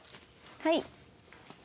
はい。